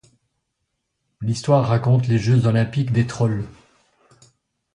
L'histoire raconte les jeux olympiques des trolls.